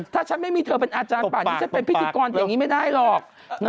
ถ้าฉันไม่มีเธอเป็นอาจารย์ป่านี้ฉันเป็นพิธีกรอย่างนี้ไม่ได้หรอก